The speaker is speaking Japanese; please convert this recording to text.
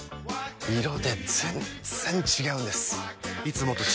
色で全然違うんです！